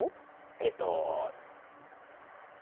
えっと。